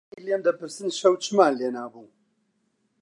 بەیانی لێم دەپرسن شەو چمان لێنابوو؟